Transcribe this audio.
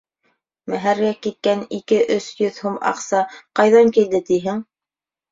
Мәһәргә киткән ике-өс йөҙ һум аҡса ҡайҙан килде тиһең.